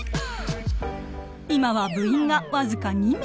今は部員が僅か２名。